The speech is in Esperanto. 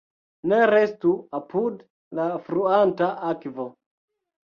Ne restu apud la fluanta akvo.